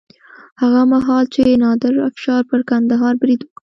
هغه مهال چې نادر افشار پر کندهار برید وکړ.